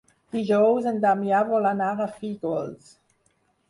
Dijous en Damià vol anar a Fígols.